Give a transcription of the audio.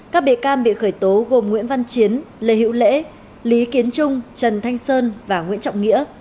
các bị can bị khởi tố gồm nguyễn văn chiến lê hữu lễ lý kiến trung trần thanh sơn và nguyễn trọng nghĩa